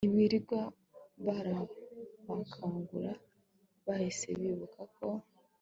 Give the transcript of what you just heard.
ntibirirwa barabakangura bahise bibuka ko